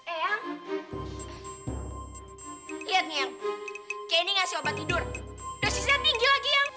eyang lihat nih yang kenny ngasih obat tidur dosisnya tinggi lagi yang